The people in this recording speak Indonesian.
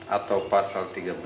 atau pasal tiga belas